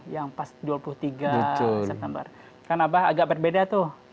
yang pas dua puluh tiga september kan abah agak berbeda tuh